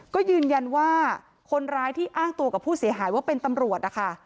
ก็ยืนยันว่าคนร้ายที่อ้างตัวกับผู้เสียหายว่าเป็นตำรวจนะคะ